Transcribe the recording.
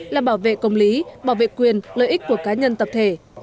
là bảo vệ công lý bảo vệ quyền lợi ích của cá nhân tập thể